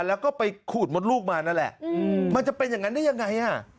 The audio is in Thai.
แล้วก็ไปขูดมดลูกมานั่นแหละมันจะเป็นอย่างนั้นได้ยังไงอ่ะ